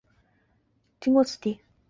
喀喇昆仑公路经过此地。